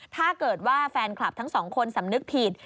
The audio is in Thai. ถ้าเกิดว่าแฟนคลับทั้งสองคนสำนึกผิด